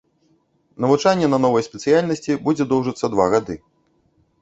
Навучанне на новай спецыяльнасці будзе доўжыцца два гады.